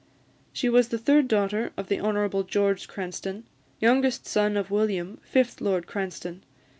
She was the third daughter of the Hon. George Cranstoun, youngest son of William, fifth Lord Cranstoun.